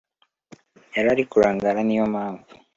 yarari kurangara niyo mpamvu